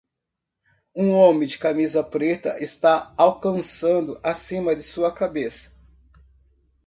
Um homem de camisa preta está alcançando acima de sua cabeça.